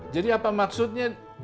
jadi apa maksudnya